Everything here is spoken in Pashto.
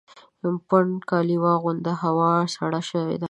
پنډ کالي واغونده ! هوا سړه سوې ده